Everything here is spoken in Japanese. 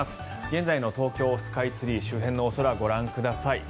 現在の東京スカイツリー周辺のお空ご覧ください。